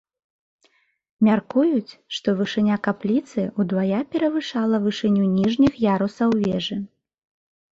Мяркуюць, што вышыня капліцы ўдвая перавышала вышыню ніжніх ярусаў вежы.